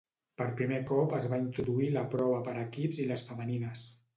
Per primer cop es va introduir la prova per equips i les femenines.